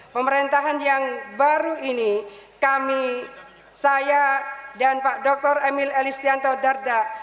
pemerintahan yang baru ini kami saya dan pak dr emil elistianto dardak